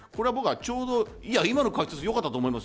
今の解説よかったと思います。